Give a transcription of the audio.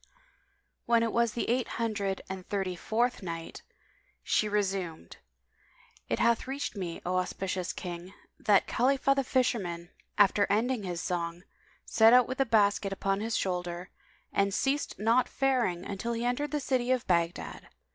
When it was the Eight Hundred and Thirty fourth Night, She resumed, It hath reached me, O auspicious King, that Khalifah the fisherman, after ending his song, set out with the basket upon his shoulder and ceased not faring till he entered the city of Baghdad.